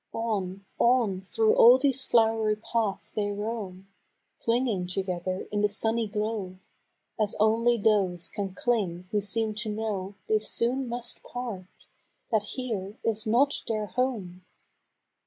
On, on, through all these flow'ry paths they roam Clinging together in the sunny glow, As only those can cling who seem to know They soon must part, — that here is not their home